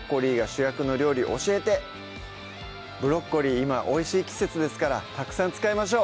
今おいしい季節ですからたくさん使いましょう！